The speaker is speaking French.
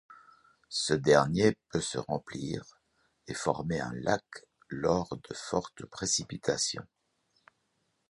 Ce dernier peut se remplir et former un lac lors de fortes précipitations.